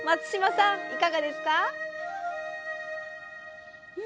いかがですか？